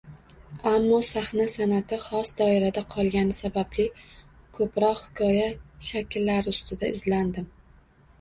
Ammo sahna san’ati xos doirada qolgani sababli, ko‘proq hikoya shakllari ustida izlandim